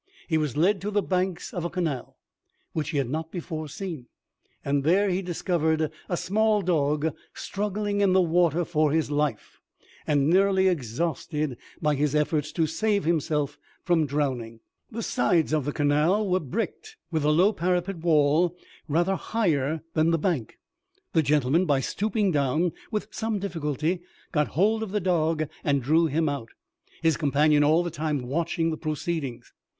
He was led to the banks of a canal, which he had not before seen, and there he discovered a small dog struggling in the water for his life, and nearly exhausted by his efforts to save himself from drowning. The sides of the canal were bricked, with a low parapet wall rather higher than the bank. The gentleman, by stooping down, with some difficulty got hold of the dog and drew him out, his companion all the time watching the proceedings.